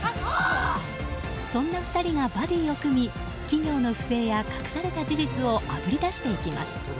そんな２人がバディを組み企業の不正や隠された事実をあぶり出していきます。